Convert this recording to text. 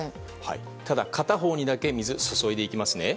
ただ、片方にだけ水を注いでいきますね。